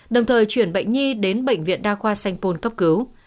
đồng thời chuyển bệnh nhi đến bệnh viện đa khoa sanh pôn cấp cứu